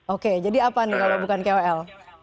oke jadi apa nih kalau bukan kol